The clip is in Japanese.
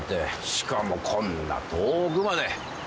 しかもこんな遠くまで。